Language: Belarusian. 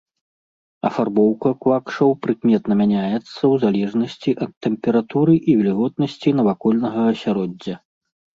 Афарбоўка квакшаў прыкметна мяняецца ў залежнасці ад тэмпературы і вільготнасці навакольнага асяроддзя.